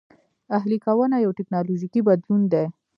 اهلي کونه یو ټکنالوژیکي بدلون دی